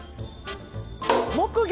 木魚？